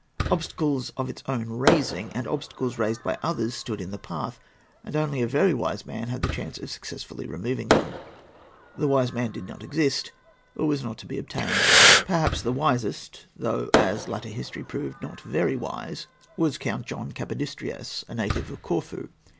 Obstacles of its own raising, and obstacles raised by others, stood in the path, and only a very wise man had the chance of successfully removing them. The wise man did not exist, or was not to be obtained. Perhaps the wisest, though, as later history proved, not very wise, was Count John Capodistrias, a native of Corfu.